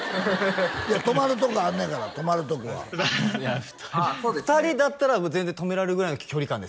泊まるとこあんのやから泊まるとこは２人だったら全然泊められるぐらいの距離感ですか？